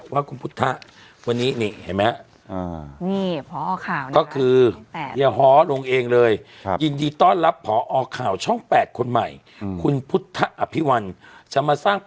วันนี้นี่เห็นไหมก็คือเฮียฮอธ์ลงเอ็งเลยยินดีต้อนรับเพราะอ